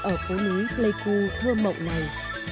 ở phố núi lê cô thơ mộng này